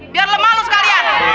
biar lu malu sekalian